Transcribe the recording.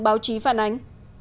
báo chí phản ánh